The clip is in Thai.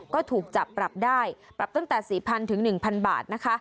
ก็ถูกจับปรับได้ปรับตั้งแต่๔๐๐๐๑๐๐๐บาท